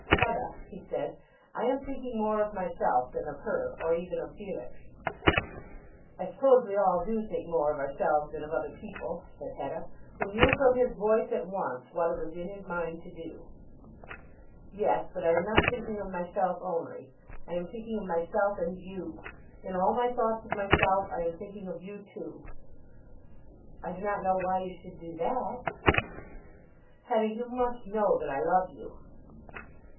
"Hetta," he said, "I am thinking more of myself than of her, or even of Felix." "I suppose we all do think more of ourselves than of other people," said Hetta, who knew from his voice at once what it was in his mind to do. "Yes; but I am not thinking of myself only. I am thinking of myself, and you. In all my thoughts of myself I am thinking of you too." "I do not know why you should do that." "Hetta, you must know that I love you."